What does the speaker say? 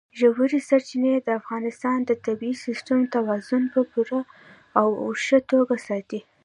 ژورې سرچینې د افغانستان د طبعي سیسټم توازن په پوره او ښه توګه ساتي.